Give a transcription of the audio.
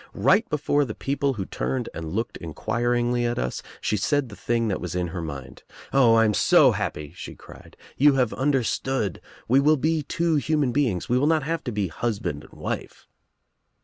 Right before the people who turned and looked inquiringly at us, she said the thing that was in her mind. 'O, I am so happy,' she cried. 'You have understood. We will be two human beings. We will not have to be husband and wife.'